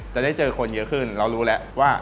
จะได้เจอคนเยอะขึ้นเรารู้แล้วว่า